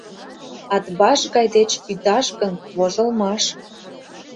Атбаш гай деч ӱдаш гын, вожылмаш.